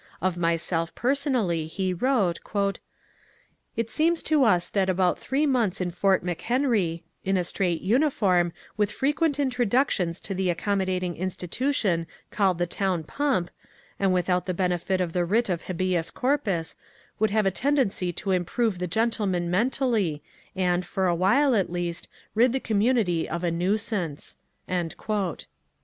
Of myself personally he wrote :— It seems to us that about three months in Fort McHenry, in a straight uniform, with frequent introductions to the ac commodating institution called the town pump, and without the benefit of the writ of habeas eorptis, would have a ten VALLANDIGHAM 339 dency to improve the gentleman mentally and, for a while at least, rid the community of a nuisanoe.